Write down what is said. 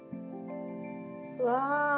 うわ！